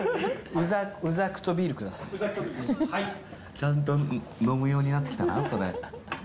ちゃんと飲むようになってきたなそれ。